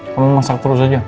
kamu masak terus aja